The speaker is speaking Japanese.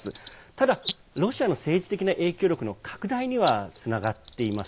ただロシアの政治的な影響力の拡大にはつながっています。